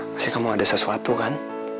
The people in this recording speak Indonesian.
pasti kamu ada sesuatu kan